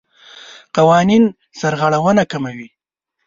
قوانین سرغړونه کموي.